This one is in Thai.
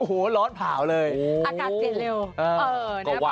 อากาศเป็นเร็ว